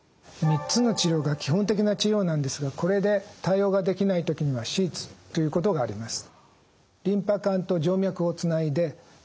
３つの治療が基本的な治療なんですがこれで対応ができない時には手術ということがあります。